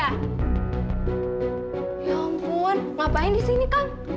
ya ampun ngapain di sini kang